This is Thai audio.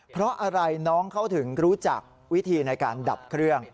เพราะอะไรน้องเขาถึงรู้จักวิธีในการดับเครื่อง